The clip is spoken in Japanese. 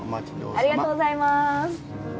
ありがとうございます